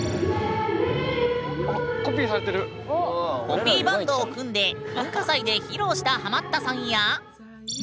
コピーバンドを組んで文化祭で披露したハマったさんや。